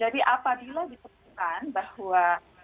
jadi apabila ditutupkan bahwa